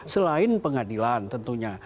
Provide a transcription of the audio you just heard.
selain pengadilan tentunya